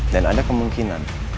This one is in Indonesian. dan ada kemungkinan